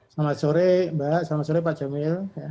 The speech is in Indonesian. selamat sore mbak selamat sore pak jamil